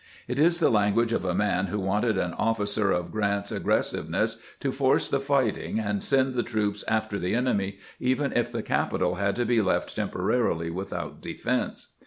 It is the language of a man who wanted an officer of Grant's aggressiveness to force the fighting and send the troops after the enemy, even if the capital had to be left tem porarily without defense.